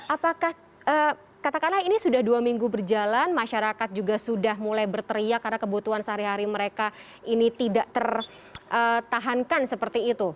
apakah katakanlah ini sudah dua minggu berjalan masyarakat juga sudah mulai berteriak karena kebutuhan sehari hari mereka ini tidak tertahankan seperti itu